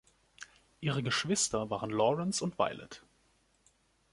Ihre Geschwister waren Laurence und Violet.